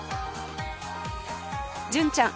純ちゃん